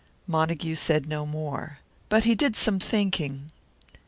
Montague said no more. But he did some thinking.